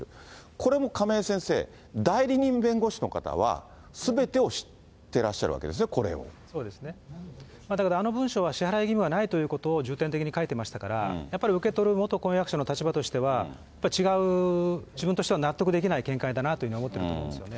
これも亀井先生、代理人弁護士の方はすべてを知ってらっしゃるわけですよね、これそうですね、だから、あの文書は支払い義務はないということを重点的に書いてましたから、やっぱり受け取る元婚約者の立場としては、やっぱり違う、自分としては納得できない展開だなと思っていますよね。